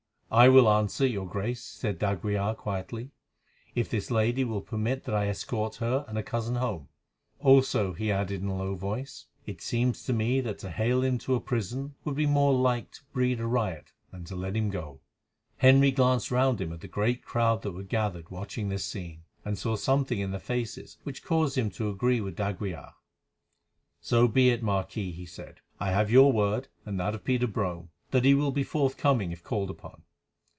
"I will answer, your Grace," said d'Aguilar quietly, "if this lady will permit that I escort her and her cousin home. Also," he added in a low voice, "it seems to me that to hale him to a prison would be more like to breed a riot than to let him go." Henry glanced round him at the great crowd who were gathered watching this scene, and saw something in their faces which caused him to agree with d'Aguilar. "So be it, Marquis," he said. "I have your word, and that of Peter Brome, that he will be forthcoming if called upon.